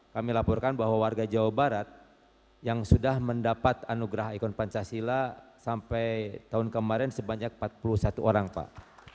kami laporkan bahwa warga jawa barat yang sudah mendapat anugerah ikon pancasila sampai tahun kemarin sebanyak empat puluh satu orang pak